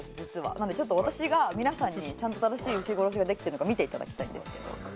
なので私が皆さんにちゃんと正しい牛殺しができてるのか見ていただきたいんですけど。